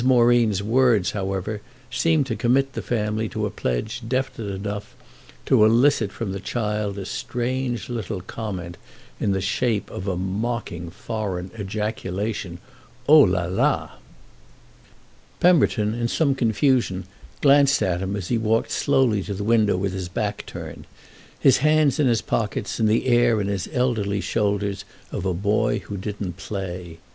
Moreen's words, however, seemed to commit the family to a pledge definite enough to elicit from the child a strange little comment in the shape of the mocking foreign ejaculation "Oh la la!" Pemberton, in some confusion, glanced at him as he walked slowly to the window with his back turned, his hands in his pockets and the air in his elderly shoulders of a boy who didn't play.